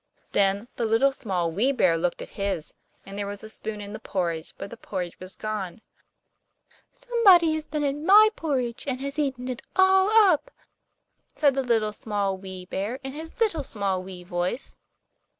Then the Little, Small, Wee Bear looked at his, and there was the spoon in the porridge pot, but the porridge was all gone. 'Somebody has been at my porridge, and has eaten it all up!' said the Little, Small Wee Bear, in his little, small wee voice.